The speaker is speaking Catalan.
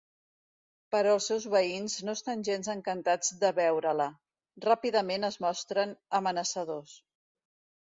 Però els seus veïns no estan gens encantats de veure-la; ràpidament es mostren amenaçadors.